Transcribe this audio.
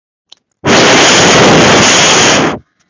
Hatua za kupika mkate wa viazi lishe